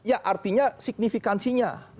ya artinya signifikansinya